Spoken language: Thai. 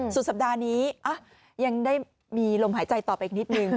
สุดสัปดาห์นี้ยังได้มีลมหายใจต่อไปอีกนิดนึง